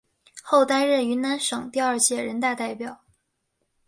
后担任云南省第二届人大代表。